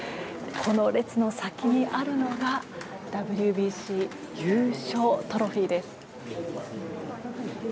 この列の先にあるのがＷＢＣ優勝トロフィーです。